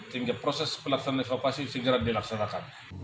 sehingga proses pelaksanaan evakuasi segera dilaksanakan